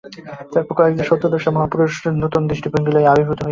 তারপর কয়েকজন সত্যদ্রষ্টা মহাপুরুষ নূতন দৃষ্টিভঙ্গী লইয়া আবির্ভূত হন।